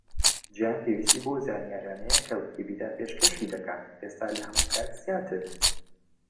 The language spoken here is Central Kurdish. جیهان پێویستی بەو زانیاریانەیە کە ویکیپیدیا پێشکەشی دەکات، ئێستا لە هەموو کات زیاتر.